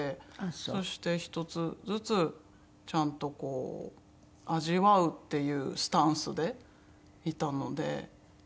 そして１つずつちゃんとこう味わうっていうスタンスでいたので。